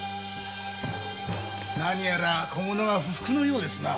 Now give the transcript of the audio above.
何やら小者が不服のようですな。